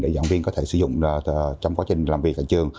để giảng viên có thể sử dụng trong quá trình làm việc tại trường